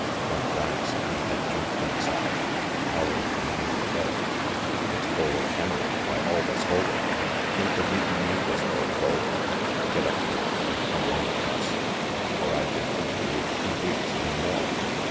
One glance, and he had jumped inside, collar ing the man on the bed. "It's Bull O'Kennery, by all that's holy! Think o' meetin' you this way, Bull! Get up now, an' come along with us ; for I've been huntin' you two weeks an' more!